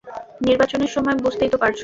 নির্বাচনের সময়, বুঝতেই তো পারছ।